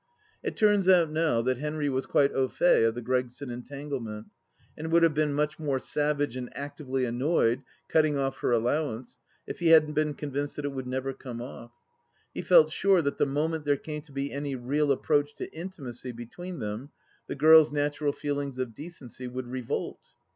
It turns out now that Henry was quite au fait of the Gregson entanglement, and would have been much more savage and actively annoyed — cutting off her allowance — if he hadn't been convinced that it would never come oft. He felt sure that the moment there came to be any real approach to intimacy between them, the girl's natural feelings of decency would revolt.